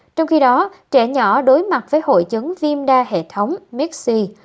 trong khi đó trẻ nhỏ đối mặt với hội chứng viêm đa hệ thống messi